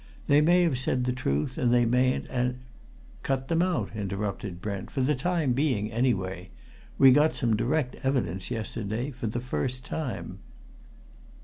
They may have said truth, and they mayn't, and " "Cut them out," interrupted Brent. "For the time being anyway. We got some direct evidence yesterday for the first time."